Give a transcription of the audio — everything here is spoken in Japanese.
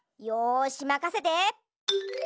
よしまかせて！